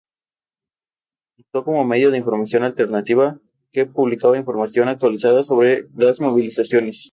Además, el tratamiento a largo plazo con antibióticos puede tener serios efectos secundarios.